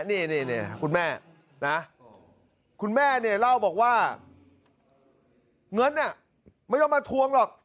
นี่คุณแม่นะคุณแม่เนี่ยเล่าบอกว่าเงินไม่ต้องมาทวงหรอก